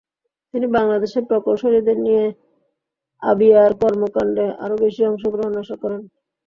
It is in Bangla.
তিনি বাংলাদেশে প্রকৌশলীদের নিয়ে আবিয়ার কর্মকাণ্ডে আরও বেশি অংশগ্রহণ আশা করেন।